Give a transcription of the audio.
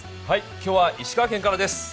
今日は石川県からです。